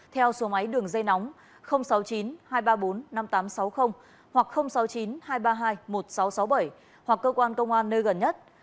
theo số máy đường dây nóng sáu mươi chín hai trăm ba mươi bốn năm nghìn tám trăm sáu mươi hoặc sáu mươi chín hai trăm ba mươi hai một nghìn sáu trăm sáu mươi bảy hoặc cơ quan công an nơi gần nhất